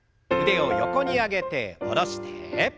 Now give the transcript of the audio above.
腕を横に上げて戻して。